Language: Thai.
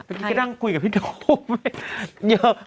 ตอนนี้ก็นั่งคุยกับพี่โดม